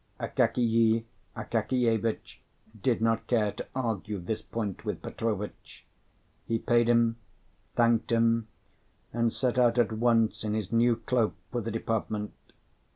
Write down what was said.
Akakiy Akakievitch did not care to argue this point with Petrovitch. He paid him, thanked him, and set out at once in his new cloak for the department.